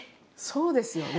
そうですよね。